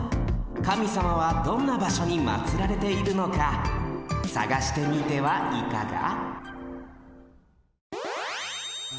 神様はどんなばしょにまつられているのかさがしてみてはいかが？